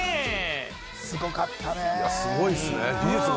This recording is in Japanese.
すごかったね！